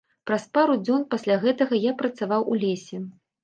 Праз пару дзён пасля гэтага я працаваў у лесе.